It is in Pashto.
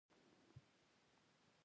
دروازه تېزه وڅرخېدله.